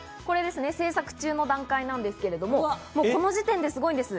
制作中の段階なんですけれど、この時点ですごいんです。